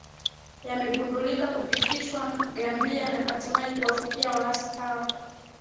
yamegundulika kupitishwa gambia na hatimaye kuwafikia waasi hao